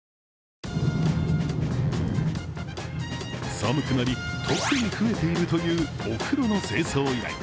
寒くなり、特に増えているというお風呂の清掃依頼。